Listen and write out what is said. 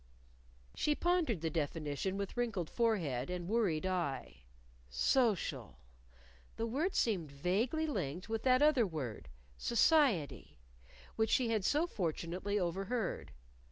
She pondered the definition with wrinkled forehead and worried eye. "Social" the word seemed vaguely linked with that other word, "Society", which she had so fortunately overheard.